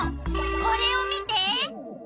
これを見て！